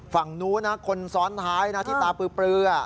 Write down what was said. ฝั่งนู้นนะคนซ้อนท้ายนะที่ตาปลือ